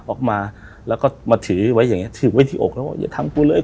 ออกมาแล้วก็มาถือไว้อย่างเงี้ถือไว้ที่อกแล้วว่าอย่าทำกูเลย